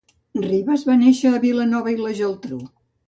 Rivas va néixer a Vilanova i la Geltrú.